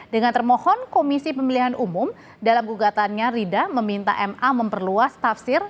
dengan termohon komisi pemilihan umum dalam gugatannya rida meminta ma memperluas tafsir